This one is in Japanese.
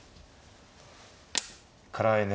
辛いね。